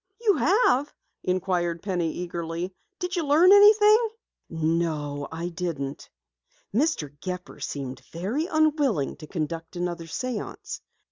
"You have?" inquired Penny eagerly. "Did you learn anything?" "No, I didn't. Mr. Gepper seemed very unwilling to conduct another séance.